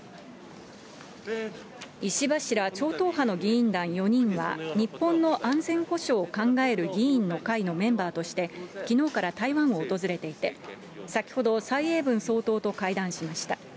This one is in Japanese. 石破氏ら超党派の議員団４人は、日本の安全保障を考える議員の会のメンバーとして、きのうから台湾を訪れていて、先ほど、蔡英文総統と会談しました。